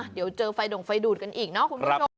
เดี๋ยวเจอไฟด่งไฟดูดกันอีกเนาะคุณผู้ชม